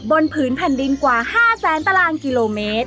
ผืนแผ่นดินกว่า๕แสนตารางกิโลเมตร